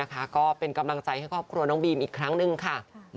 ก็เป็นกำลังใจให้ครอบครัวน้องบีมอีกครั้งหนึ่งค่ะ